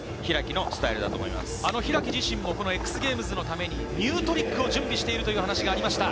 開自身もＸＧａｍｅｓのためにニュートリックを準備しているという話がありました。